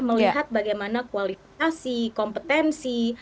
melihat bagaimana kualifikasi kompetensi